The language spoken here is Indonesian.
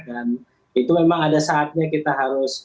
dan itu memang ada saatnya kita harus